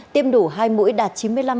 tiêm đủ hai mũi đạt chín mươi năm sáu